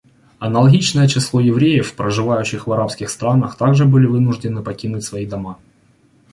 Аналогичное число евреев, проживавших в арабских странах, также были вынуждены покинуть свои дома.